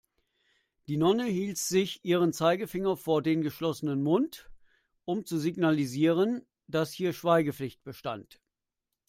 Die Nonne hielt sich ihren Zeigefinger vor den geschlossenen Mund, um zu signalisieren, dass hier Schweigepflicht bestand.